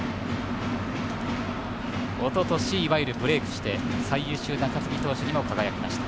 おととし、いわゆるブレイクして最優秀中継ぎ投手にも輝きました。